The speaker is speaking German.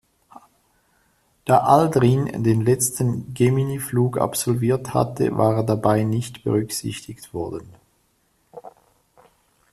Da Aldrin den letzten Gemini-Flug absolviert hatte, war er dabei nicht berücksichtigt worden.